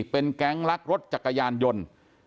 เป็นแก๊งลักรถจักรยานยนต์